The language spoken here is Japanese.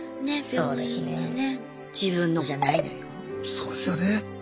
そうですよね。